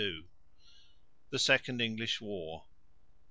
THE SECOND ENGLISH WAR.